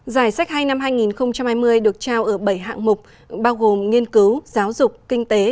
giải sách hay năm hai nghìn hai mươi được trao ở bảy hạng mục bao gồm nghiên cứu giáo dục kinh tế